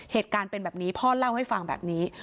เหตุการณ์เป็นแบบนี้พ่อเล่าให้ฟังแบบนี้